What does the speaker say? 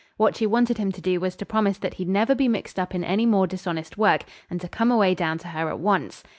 What she wanted him to do was to promise that he'd never be mixed up in any more dishonest work, and to come away down to her at once.